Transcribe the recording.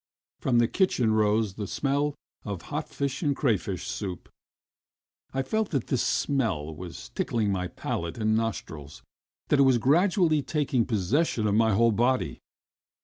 From the kitchen rose the smell of hot fish and crayfish soup. I felt that this smell was tickling my palate and nostrils, that it was gradually taking possession of my whole body.